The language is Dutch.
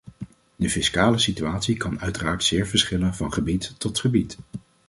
De fiscale situatie kan uiteraard zeer verschillen van gebied tot gebied.